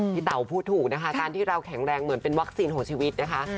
เต๋าพูดถูกนะคะการที่เราแข็งแรงเหมือนเป็นวัคซีนของชีวิตนะคะ